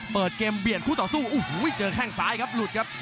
เปิดเกมเบียดคู่ต่อสู้โอ้โหเจอแข้งซ้ายครับหลุดครับ